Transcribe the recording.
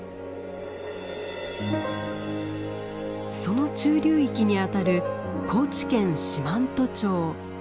その中流域にあたる高知県四万十町。